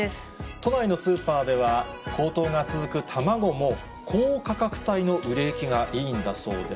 都内のスーパーでは、高騰が続く卵も、高価格帯の売れ行きがいいんだそうです。